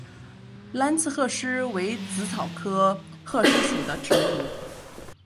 蓝刺鹤虱为紫草科鹤虱属的植物。